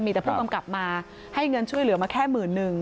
มีแต่ผู้กำกับมาให้เงินช่วยเหลือมาแค่หมื่นนึง